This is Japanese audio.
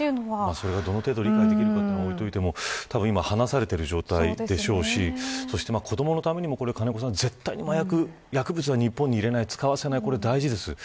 それが、どの程度理解できるかを置いておいても多分、今離されている状態でしょうしそして、子どものためにも金子さん、絶対に薬物は日本に入れない、使わせないこれは大事です。